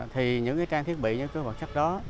thì những trang thiết bị như cơ sở hoạt chất đó